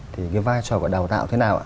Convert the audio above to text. thì cái vai trò của đào tạo thế nào ạ